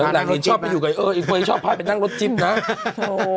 แล้วนางอีนชอบไปอยู่กับไอ้เฟรย์ไอ้เฟรย์ชอบพาไปนั่งรถจิ๊บนะโอ้โห